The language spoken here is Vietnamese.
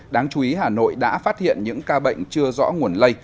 đáng chú ý hà nội đã phát hiện những ca bệnh chưa rõ nguồn lây